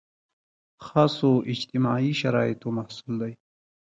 خاصو اجتماعي شرایطو محصول دی.